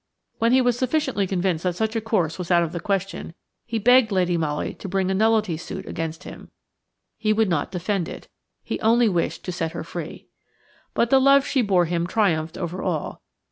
When he was sufficiently convinced that such a course was out of the question, he begged Lady Molly to bring a nullity suit against him. He would not defend it. He only wished to set her free. But the love she bore him triumphed over all.